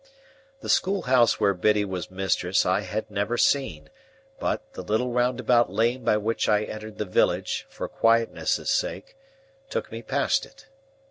The schoolhouse where Biddy was mistress I had never seen; but, the little roundabout lane by which I entered the village, for quietness' sake, took me past it.